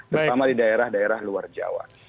terutama di daerah daerah luar jawa